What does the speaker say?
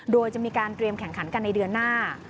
โดยจะมีการเตรียมแข่งขันกันในเดือนหน้า